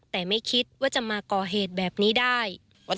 แต่ไม่คิดว่าจะมาก่อเหตุแบบนี้ได้